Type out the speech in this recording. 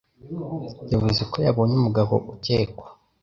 Yavuze ko yabonye umugabo ukekwa.